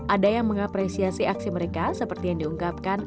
ada yang mengapresiasi aksi mereka seperti yang diungkapkan